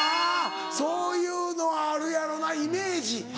そういうのあるやろなイメージ。